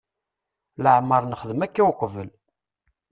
Leɛmeṛ nexdem akka uqbel.